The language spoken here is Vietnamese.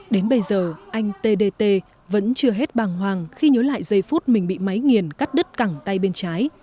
đến bây giờ anh t d t vẫn chưa hết bàng hoàng khi nhớ lại giây phút mình bị máy nghiền cắt đứt cẳng tay bên trái